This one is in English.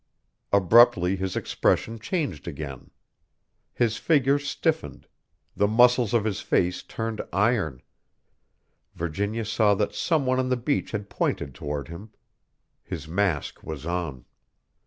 Abruptly his expression changed again. His figure stiffened, the muscles of his face turned iron. Virginia saw that someone on the beach had pointed toward him. His mask was on.